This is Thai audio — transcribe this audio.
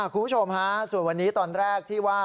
คุณผู้ชมฮะส่วนวันนี้ตอนแรกที่ว่า